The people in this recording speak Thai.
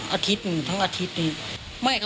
อาทิตย์หนึ่งทั้งอาทิตย์นี่